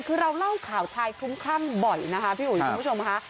คือเราเล่าข่าวชายคลุ้มคลั่งบ่อยนะคะพี่อุ๋ยคุณผู้ชมค่ะ